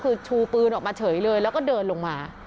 คือชูปืนออกมาเฉยเลยแล้วก็เดินลงมา